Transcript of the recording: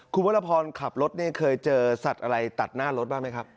คุณวรพรขับรถนี่เคยเจอสัตว์อะไรตัดหน้ารถบ้างไหมครับ